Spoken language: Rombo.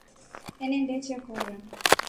Enende chekora.